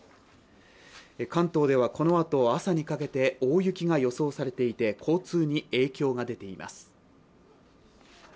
関東ではこのあと、朝にかけて大雪が予想されていて交通に影響が出ています。